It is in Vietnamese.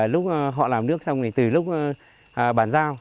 lúc họ làm nước xong từ lúc bán giao